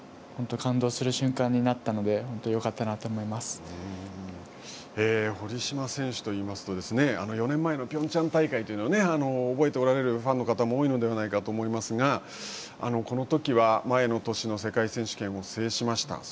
本当に感動する瞬間になったので堀島選手といいますと４年前のピョンチャン大会を覚えておられるファンの方も多いのではないかと思いますがこのときは前の年の世界選手権を制しました。